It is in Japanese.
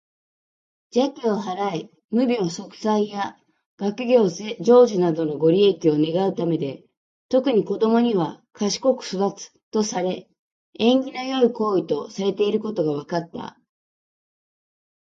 邪気を払い、無病息災や学業成就などのご利益を願うためで、特に子どもには「賢く育つ」とされ、縁起の良い行為とされていることが分かった。